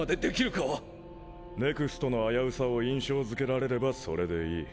ＮＥＸＴの危うさを印象づけられればそれでいい。